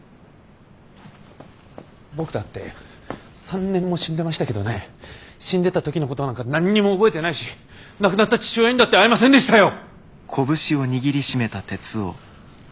僕だって３年も死んでましたけどね死んでた時のことなんか何にも覚えてないし亡くなった父親にだって会えませんでしたよ！